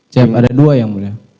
cm ada dua yang mulia